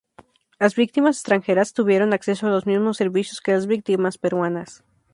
Las víctimas extranjeras tuvieron acceso a los mismos servicios que las víctimas peruanas.